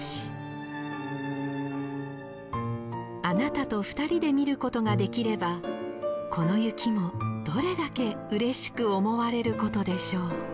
あなたと２人で見ることができればこの雪もどれだけうれしく思われることでしょう。